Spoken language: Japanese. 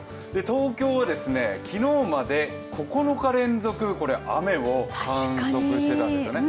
東京は昨日まで９日連続これ雨を観測してたんですよね。